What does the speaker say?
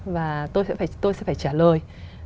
và tôi sẽ phải trả lời